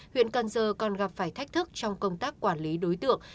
huyện cần giờ còn gặp phải thách thức trong công tác quản lý đối tượng